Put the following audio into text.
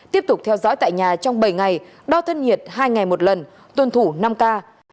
tiếp tục theo dõi tại nhà trong bảy ngày đo thân nhiệt hai ngày một lần tuân thủ năm k